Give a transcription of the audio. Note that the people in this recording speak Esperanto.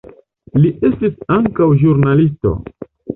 Li estis ankaŭ ĵurnalisto.